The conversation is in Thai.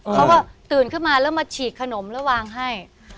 เขาก็ตื่นขึ้นมาแล้วมาฉีกขนมแล้ววางให้